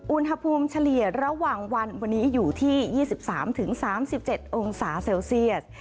เฉลี่ยระหว่างวันวันนี้อยู่ที่๒๓๓๗องศาเซลเซียส